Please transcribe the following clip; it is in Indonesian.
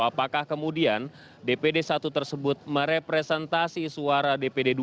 apakah kemudian dpd satu tersebut merepresentasi suara dpd dua